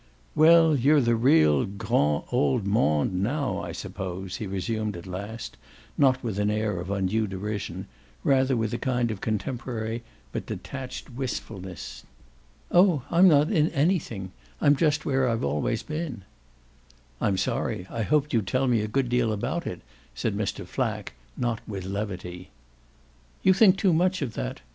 "Well, you're in the real 'grand' old monde now, I suppose," he resumed at last, not with an air of undue derision rather with a kind of contemporary but detached wistfulness. "Oh I'm not in anything; I'm just where I've always been." "I'm sorry; I hoped you'd tell me a good lot about it," said Mr. Flack, not with levity. "You think too much of that.